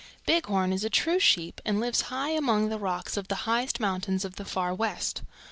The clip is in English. "Bighorn is a true Sheep and lives high up among the rocks of the highest mountains of the Far West.